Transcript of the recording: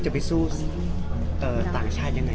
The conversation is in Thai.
จะไปสู้ต่างชาติยังไง